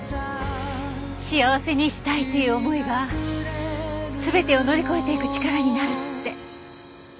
幸せにしたいという思いが全てを乗り越えていく力になるって。